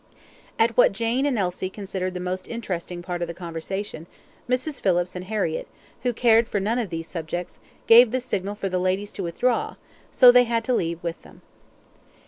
At what Jane and Elsie considered the most interesting part of the conversation, Mrs. Phillips and Harriett, who cared for none of these subjects, gave the signal for the ladies to withdraw, so they had to leave with them.